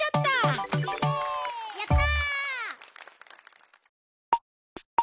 やった！